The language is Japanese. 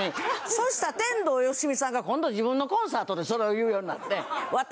そしたら天童よしみさんが今度は自分のコンサートでそれを言うようになって。